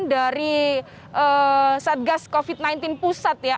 dari satgas covid sembilan belas pusat ya